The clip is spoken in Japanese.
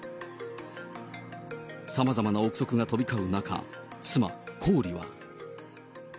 さまざまな臆測が飛び交う中、妻、コーリは。